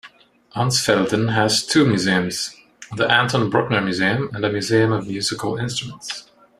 Ansfelden has two museums, the Anton Bruckner Museum and a museum of musical instruments.